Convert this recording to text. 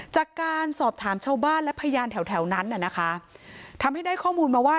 จากการสอบถามชาวบ้านและพยานแถวแถวนั้นน่ะนะคะทำให้ได้ข้อมูลมาว่า